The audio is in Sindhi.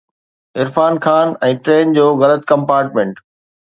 عرفان خان ۽ ٽرين جو غلط ڪمپارٽمينٽ